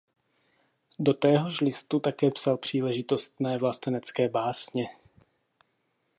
Do téhož listu také psal příležitostné vlastenecké básně.